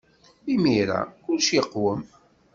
Imir-a, kullec yeqwem.